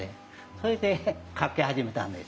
それで描き始めたんですよ。